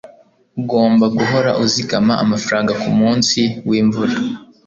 Ugomba guhora uzigama amafaranga kumunsi wimvura.